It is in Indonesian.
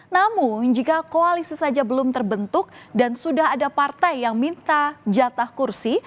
namun jika koalisi saja belum terbentuk dan sudah ada partai yang minta jatah kursi